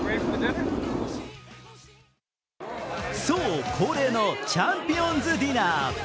そう、恒例のチャンピオンズディナー。